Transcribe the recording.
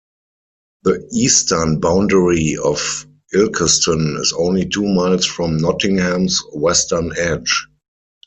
The eastern boundary of Ilkeston is only two miles from Nottingham's western edge.